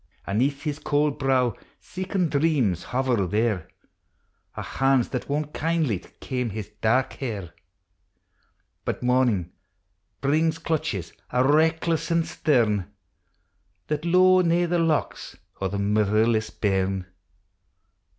Aneath his eauld brow siccan dreams hover there, O' hands that wont kindly to kame his dark hair; But morn in' brings clutches, a' reckless an' stern, That lo'e nae the locks o' the mitherless bairn!